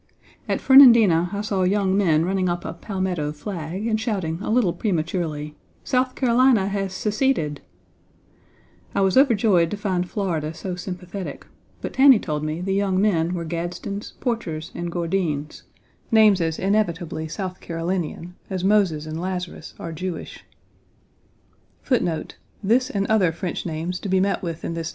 Page 2 At Fernandina I saw young men running up a Palmetto flag, and shouting a little prematurely, "South Carolina has seceded!" I was overjoyed to find Florida so sympathetic, but Tanny told me the young men were Gadsdens, Porchers, and Gourdins, 1 names as inevitably South Carolinian as Moses and Lazarus are Jewish.